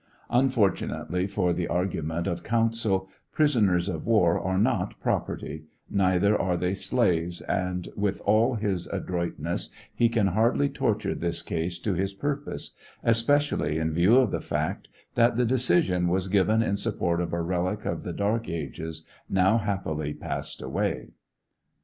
Unfortunately for the argument of counsel, prisoners of war are not property, neither are they slaves, and with all his adroitness he can hardly torture this case to his purpose, especially in view of the fact that the decision was given in support of a relic of the dark ages now happily passed away.